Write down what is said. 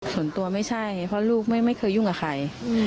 ส่วนตัวไม่ใช่เพราะลูกไม่เคยยุ่งกับใคร